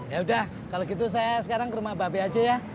yaudah kalau gitu saya sekarang ke rumah mbak be aja ya